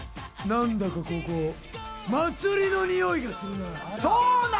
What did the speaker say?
何だかここ祭りのにおいがするな。